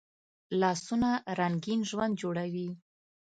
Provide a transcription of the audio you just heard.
لاسونه رنګین ژوند جوړوي